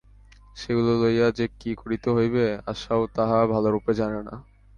সেগুলা লইয়া যে কী করিতে হইবে, আশাও তাহা ভালোরূপ জানে না।